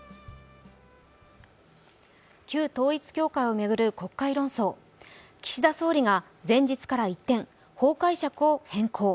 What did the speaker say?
旧統一教会を巡る国会論争、岸田総理が前日から一転、法解釈を変更。